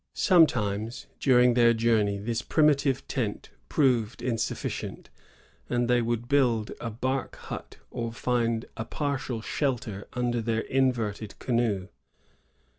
Sometimes, during their journey, this primitive tent proved insuJBScient, and they would build a bark hut or find a partial shelter under their inverted canoe.